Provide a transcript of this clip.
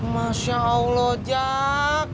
masya allah jack